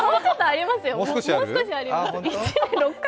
もう少しありますよ！